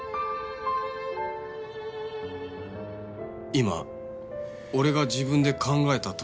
今俺が自分で考えたところで